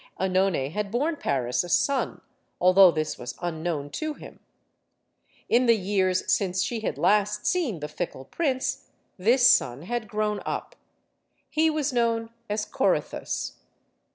CEnone had borne Paris a son although this was unknown to him. In the years since she had last seen the fickle prince, this son had grown up. He was known as "Corythus."